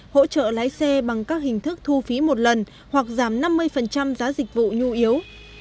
hỗ trợ lái xe bằng các hình thức thu phí một lần hoặc giảm năm mươi giá dịch vụ nhu yếu